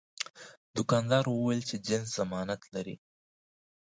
دوکاندار وویل چې جنس ضمانت لري.